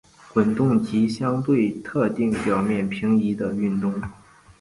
滚动及相对特定表面平移的的运动。